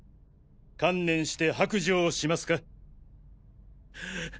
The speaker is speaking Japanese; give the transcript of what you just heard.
観念して白状しますか？